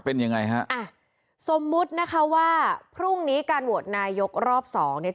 เป็นยังไงฮะอ่ะสมมุตินะคะว่าพรุ่งนี้การโหวตนายกรอบสองเนี่ย